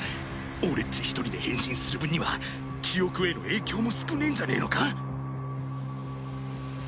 俺っち一人で変身する分には記憶への影響も少ねえんじゃねえのか？